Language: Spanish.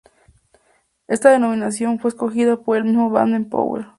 Esta denominación fue escogida por el mismo Baden-Powell.